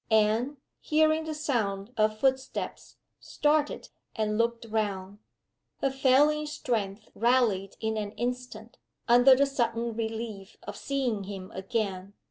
Anne, hearing the sound of footsteps, started, and looked round. Her failing strength rallied in an instant, under the sudden relief of seeing him again.